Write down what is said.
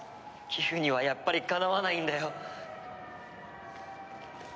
ギフにはやっぱりかなわないんだよ。